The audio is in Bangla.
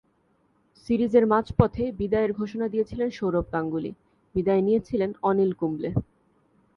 সিরিজের মাঝপথে বিদায়ের ঘোষণা দিয়েছিলেন সৌরভ গাঙ্গুলী, বিদায় নিয়েছিলেন অনিল কুম্বলে।